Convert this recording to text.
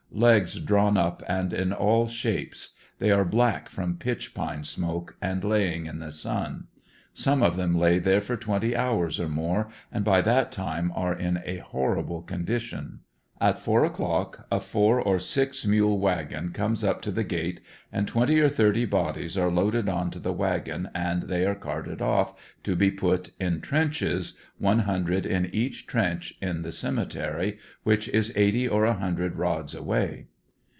Legs drawn up and in all shapes. They are black from pitch pine smoke and laying in the sun Some of them lay there for twenty hours or more, and by that time are in a horrible condition. At four o'clock a four or six mule wagon comes up to the gate and twenty or thirty bodies are loaded on to the wagon and they are carted off to be put in trenches, one hun dred in each trench, in the cemetery, which is eighty or a hundred rods away.